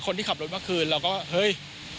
คนที่ขับรถเมื่อคืนเราก็เฮ้ย